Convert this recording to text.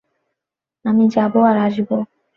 আমি যাবো আর আসবো।